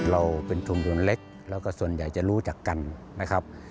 เราเป็นชุมชนเล็กแล้วก็ส่วนใหญ่จะรู้จักกันนะครับ